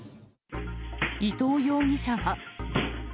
伊藤容疑者は。